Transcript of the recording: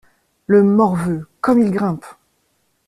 Le morveux, comme il grimpe!